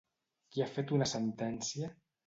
Qui ha fet una sentència?